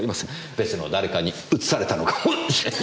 別の誰かにうつされたのかもしれないし。